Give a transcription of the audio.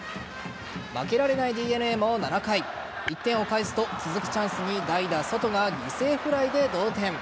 負けられないＤｅＮＡも７回１点を返すと、続くチャンスに代打・ソトが犠牲フライで同点。